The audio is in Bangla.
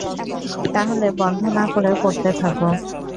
তাহলে বন্ধ না করে পড়তে থাকো।